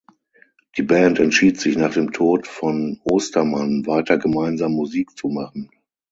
Die Band entschied sich, nach dem Tod von Ostermann weiter gemeinsam Musik zu machen.